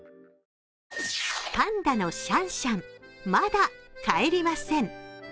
パンダのシャンシャン、まだ帰りません。